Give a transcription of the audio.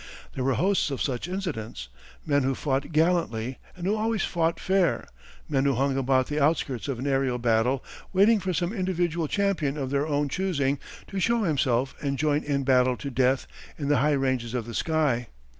There were hosts of such incidents men who fought gallantly and who always fought fair, men who hung about the outskirts of an aërial battle waiting for some individual champion of their own choosing to show himself and join in battle to death in the high ranges of the sky.